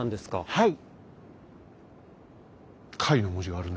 はい。